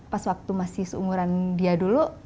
pas waktu masih seumuran dia dulu